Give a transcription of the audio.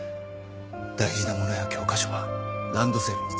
大事なものや教科書はランドセルに詰めなさい。